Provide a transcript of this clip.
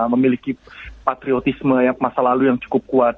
memiliki patriotisme masa lalu yang cukup kuat